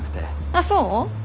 あっそう？